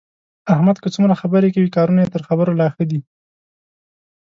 احمد که څومره خبرې کوي، کارونه یې تر خبرو لا ښه دي.